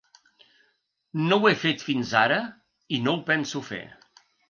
No ho he fet fins ara i no ho penso fer.